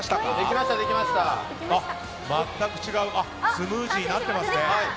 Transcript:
スムージーになってますね！